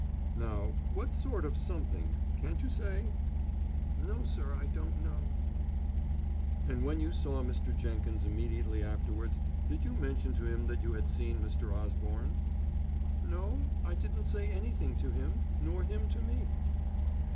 "Now, what sort of something? can't you say?" "No, sir. I don't know." "And when you saw Mr. Jenkins immediately afterwards, did you mention to him that you had seen Mr. Osborne?" "No, I didn't say anything to him, nor him to me."